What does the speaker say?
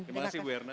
terima kasih ibu erna